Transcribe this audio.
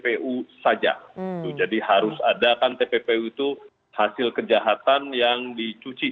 tpu saja jadi harus ada kan tpu nya itu hasil kejahatan yang dicuci